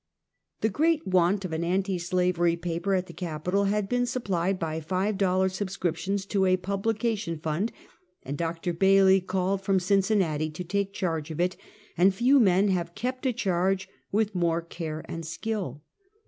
The great want of an anti slavery paper at the capitol had been supplied by five dollar sub scriptions to a publication fund, and Dr. Bailey called from Cincinnati to take charge of it, and few men have kept a charge with more care and skill.